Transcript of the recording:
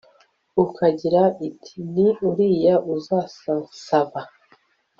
ikagira iti 'ni uriya usansaba'